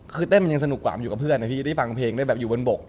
คือเต้นมันยังสนุกกว่ามันอยู่กับเพื่อนนะพี่ได้ฟังเพลงได้แบบอยู่บนบก